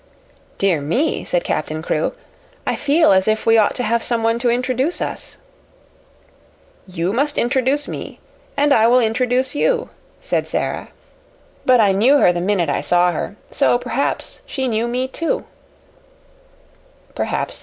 "Dear me," said Captain Crewe, "I feel as if we ought to have someone to introduce us." "You must introduce me and I will introduce you," said Sara. "But I knew her the minute I saw her so perhaps she knew me, too."